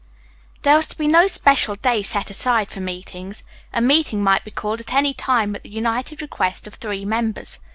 There was to be no special day set aside for meetings. A meeting might be called at any time at the united request of three members.